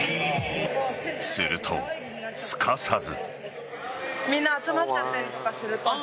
すると、すかさず。